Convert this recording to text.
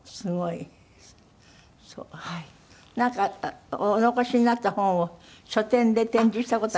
なんかお残しになった本を書店で展示した事ある？